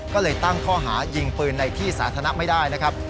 ก็เลยตั้งข้อหายิงปืนในที่สาธารณะไม่ได้นะครับ